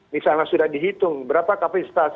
misalnya sudah dihitung berapa kapasitas